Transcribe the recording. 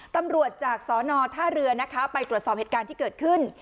ตำรวจจากสนท่าเรือนะคะไปตรวจสอบเหตุการณ์ที่เกิดขึ้น